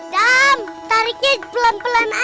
tariknya pelan pelan aja